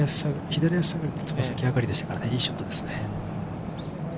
左足下がり、爪先上がりでしたから、いいショットですね。